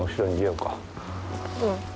うん。